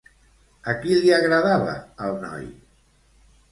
A qui li agradava el noi?